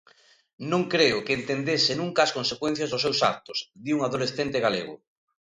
Non creo que entendese nunca as consecuencias dos seus actos, di un adolescente galego.